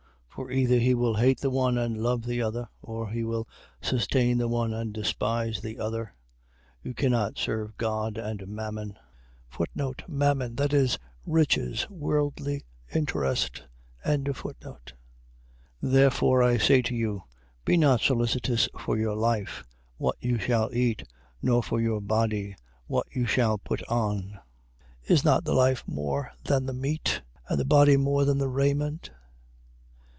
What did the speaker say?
For either he will hate the one, and love the other: or he will sustain the one, and despise the other. You cannot serve God and mammon. Mammon. . .That is, riches, worldly interest. 6:25. Therefore I say to you, be not solicitous for your life, what you shall eat, nor for your body, what you shall put on. Is not the life more than the meat: and the body more than the raiment?